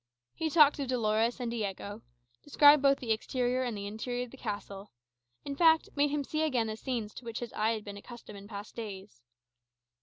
He talked of Dolores and Diego; described both the exterior and interior of the castle; in fact, made him see again the scenes to which his eye had been accustomed in past days.